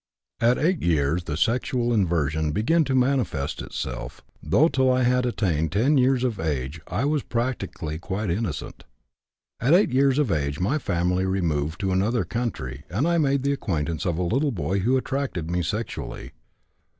"At 8 years the sexual inversion began to manifest itself, though till I had attained 10 years of age I was practically quite innocent. At 8 years of age, my family removed to another country and I made the acquaintance of a little boy who attracted me sexually.